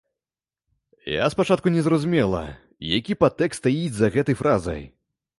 Я спачатку не зразумела, які падтэкст стаіць за гэтай фразай.